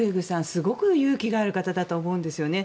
すごく勇気がある方だと思うんですよね。